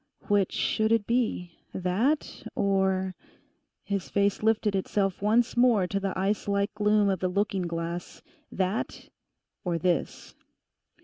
Which should it be, that, or—his face lifted itself once more to the ice like gloom of the looking glass—that, or this?